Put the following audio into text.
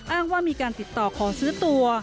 อ้างว่ามีการติดต่อขอซื้อตัว